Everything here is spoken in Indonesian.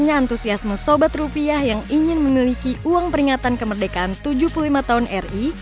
dengan antusiasme sobat rupiah yang ingin memiliki uang peringatan kemerdekaan tujuh puluh lima tahun ri